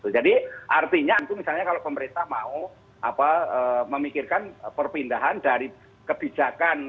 jadi artinya itu misalnya kalau pemerintah mau memikirkan perpindahan dari kebijakan